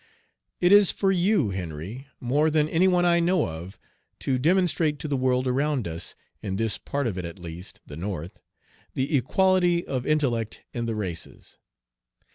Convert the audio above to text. "It is for you, Henry, more than any one I know of, to demonstrate to the world around us, in this part of it at least (the North), the equality of intellect in the races.